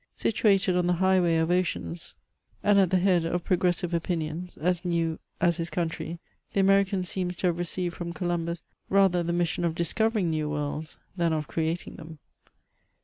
Situated on the highway of oceans, and at the head of progres CHATEAUBRIAND. 306 dve opinions, as new as his country, the American seems to have received from Columhus rather the mission of discovering new worlds than of creating them.